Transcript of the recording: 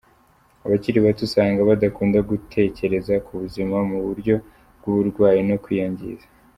Abakiri bato usanga badakunda gutekereza ku buzima mu buryo bw’uburwayi no kwiyangiza.